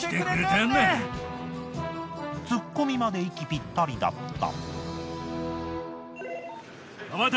ツッコミまで息ピッタリだった！